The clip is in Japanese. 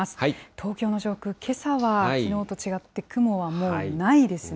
東京の上空、けさはきのうと違っないですね。